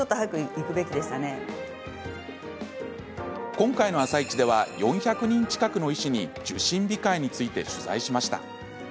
今回、「あさイチ」では４００人近くの医師に受診控えについて取材しました。